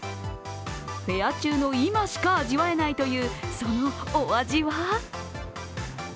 フェア中の今しか味わえないという、そのお味は？